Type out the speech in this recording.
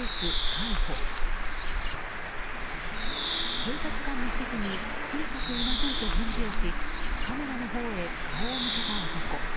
警察官の指示に小さくうなずいて返事をしカメラのほうへ顔を向けた男。